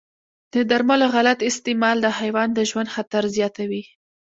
د درملو غلط استعمال د حیوان د ژوند خطر زیاتوي.